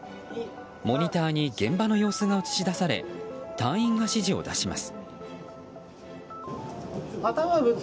モニターに現場の様子が映し出され隊員が指示を出します。